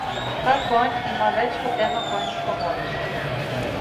Ta konj ima več kot eno konjsko moč.